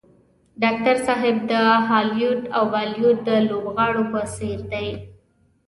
ډاکټر صاحب د هالیوډ او بالیوډ د لوبغاړو په څېر دی.